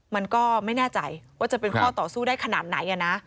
มันก็ไม่แน่ใจว่าจะเป็นข้อต่อสู้ได้ขนาดไหน